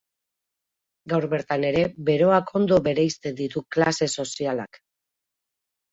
Gaur bertan ere beroak ondo bereizten ditu klase sozialak.